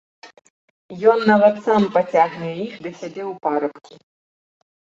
Ён нават сам пацягне іх да сябе ў парабкі.